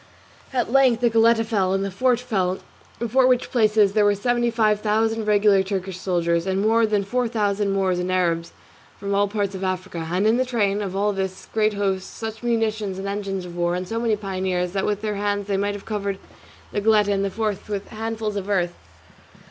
At length the Goletta fell, and the fort fell, before which places there were seventy five thousand regular Turkish soldiers, and more than four hundred thousand Moors and Arabs from all parts of Africa, and in the train of all this great host such munitions and engines of war, and so many pioneers that with their hands they might have covered the Goletta and the fort with handfuls of earth.